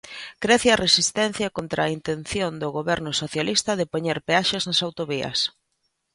Crece a resistencia contra a intención do Goberno socialista de poñer peaxes nas autovías.